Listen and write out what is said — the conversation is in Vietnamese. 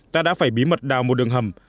ta đã phải bí mật đào một đường hầm